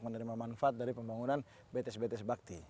menerima manfaat dari pembangunan bts bts bakti